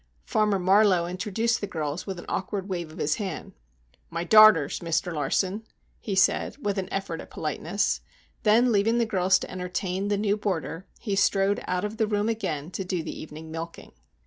Farmer Marlowe introduced the girls with an awkward wave of his hand. "My darters, Mr. Lawson," he said, with an effort at politeness. Then leaving the girls to entertain the new boarder, he strode out of the room again to do the evening milking.